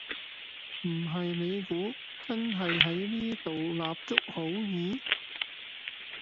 唔係你估真係喺呢度立足好易?